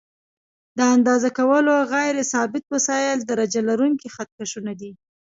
د اندازه کولو غیر ثابت وسایل درجه لرونکي خط کشونه دي.